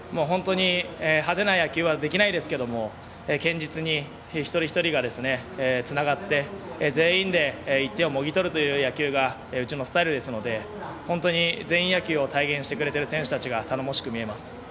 本当に派手な野球はできないですが堅実に、一人一人がつながって全員で１点をもぎ取るという野球がうちのスタイルですので全員野球を体現してくれてる選手たちが頼もしく見えます。